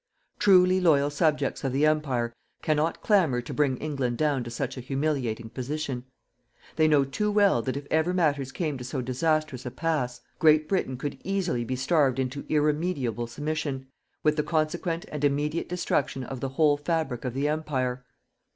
Truly loyal subjects of the Empire cannot clamour to bring England down to such an humiliating position. They know too well that if ever matters came to so disastrous a pass, Great Britain could easily be starved into irremediable submission with the consequent and immediate destruction of the whole fabric of the Empire.